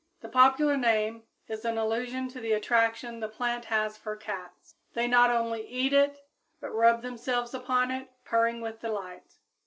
The popular name is in allusion to the attraction the plant has for cats. They not only eat it, but rub themselves upon it purring with delight.